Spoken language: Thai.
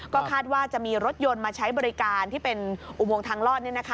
ก็คาดว่าจะมีรถยนต์มาใช้บริการที่เป็นอุโมงทางลอด